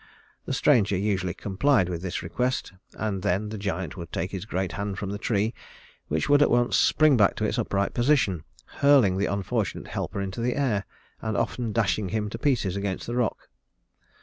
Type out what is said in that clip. The stranger usually complied with this request, and then the giant would take his great hand from the tree, which would at once spring back to its upright position, hurling the unfortunate helper into the air, and often dashing him to pieces against the rocks.